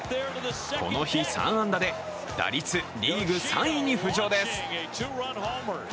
この日３安打で打率リーグ３位に浮上です。